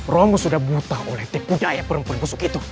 romo sudah buta oleh tek budaya perempuan busuk itu